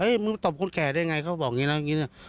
เฮ้ยมึงตอบคนแขกได้ยังไงเขาบอกอย่างนี้นะอย่างนี้นะ